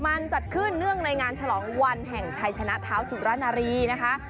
มันจัดขึ้นเนื่องในงานฉลองวันแห่งชัยชนะเท้าสุรณารีนะคะ